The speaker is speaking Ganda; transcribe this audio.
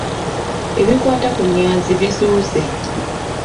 Ebikwata ku Nyanzi bizuuse.